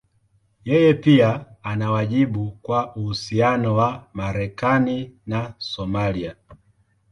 Yeye pia ana wajibu kwa uhusiano wa Marekani na Somalia.